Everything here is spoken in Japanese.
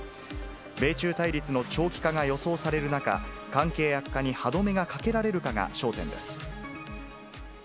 米中対立の長期化が予想される中、関係悪化に歯止めがかけられるかが焦点です。